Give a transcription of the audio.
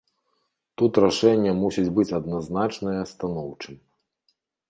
Тут рашэнне мусіць быць адназначнае станоўчым.